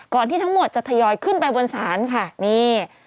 ที่ทั้งหมดจะทยอยขึ้นไปบนศาลค่ะนี่